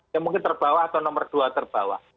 yang mungkin terbawah atau nomor dua terbawah